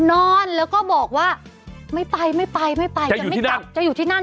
นอนแล้วก็บอกว่าไม่ไปจะอยู่ที่นั่น